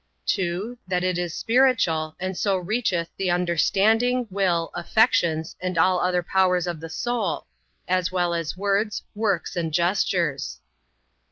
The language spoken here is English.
2. That it is spiritual, and so reacheth the understanding, will, affections, and all other powers of the soul; as well as words, works, and gestures.